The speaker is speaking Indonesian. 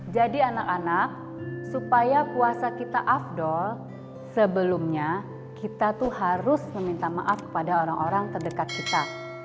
jadi anak anak supaya puasa kita afdol sebelumnya kita tuh harus meminta maaf kepada orang orang terdekat kita